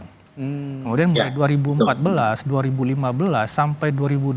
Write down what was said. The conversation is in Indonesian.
kemudian mulai dua ribu empat belas dua ribu lima belas sampai dua ribu dua puluh